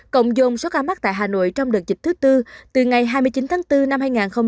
cộng dồn số ca mắc tại hà nội trong đợt dịch thứ tư từ ngày hai mươi chín tháng bốn năm hai nghìn hai mươi